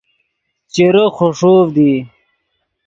چیرے خݰوڤد ای